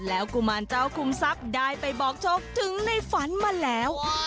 แล้วกุมารเจ้าคุมทรัพย์ได้ไปบอกโชคถึงในฝันมาแล้ว